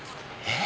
え。